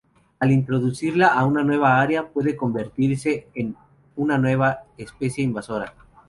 Al introducirla a una nueva área, puede convertirse en una especie invasora.